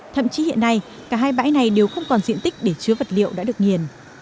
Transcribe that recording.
thậm chí hiện nay cả hai bãi này đều không còn diện tích để chứa vật liệu đã được nghiền